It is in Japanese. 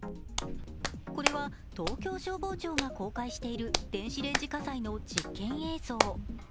これは東京消防庁が公開している電子レンジ火災の実験映像。